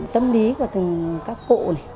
tâm lý của từng các cụ